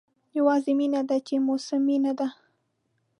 یوازې مینه ده چې موسمي نه ده.